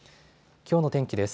きょうの天気です。